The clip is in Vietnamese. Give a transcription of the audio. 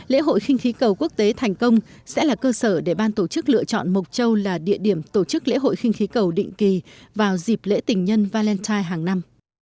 lễ hội khinh khí cầu quốc tế thành công sẽ là cơ sở để ban tổ chức lựa chọn mộc châu là địa điểm tổ chức lễ hội khinh khí cầu định kỳ vào dịp lễ tình nhân valentine hàng năm